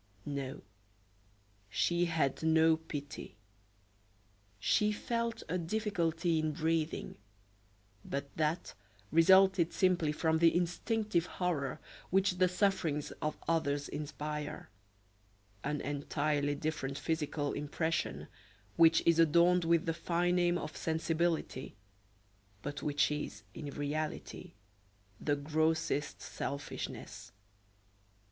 No, she had no pity. She felt a difficulty in breathing, but that resulted simply from the instinctive horror which the sufferings of others inspire an entirely different physical impression, which is adorned with the fine name of sensibility, but which is, in reality, the grossest selfishness.